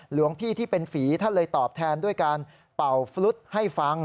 หลวงพี่ที่เป็นฝีท่านเลยตอบแทนด้วยการเป่าฟรุตให้ฟัง